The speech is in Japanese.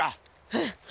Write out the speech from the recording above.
うん。